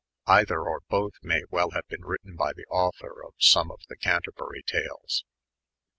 Either or both may well have been written by the author of some of the Canterbury Talet.